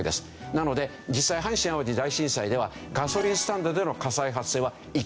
なので実際阪神・淡路大震災ではガソリンスタンドでの火災発生は１件もなかったんですよ。